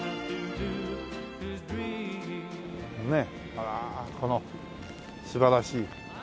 あらこの素晴らしい。